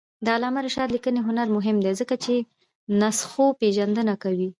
د علامه رشاد لیکنی هنر مهم دی ځکه چې نسخوپېژندنه کوي.